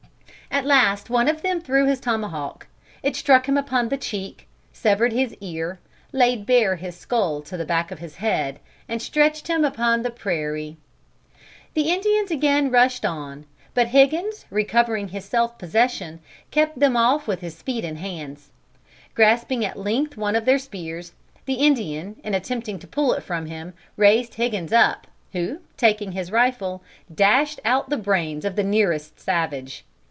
"At last one of them threw his tomahawk. It struck him upon the cheek, severed his ear, laid bare his skull to the back of his head, and stretched him upon the prairie. The Indians again rushed on, but Higgins, recovering his self possession, kept them off with his feet and hands. Grasping at length one of their spears, the Indian, in attempting to pull it from him, raised Higgins up, who, taking his rifle, dashed out the brains of the nearest savage.